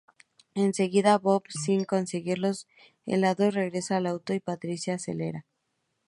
Enseguida Bob, sin conseguir los helados, regresa al auto y Patricio acelera.